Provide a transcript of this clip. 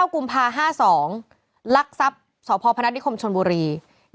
กุมภา๕๒ลักทรัพย์สพพนัทนิคมชนบุรี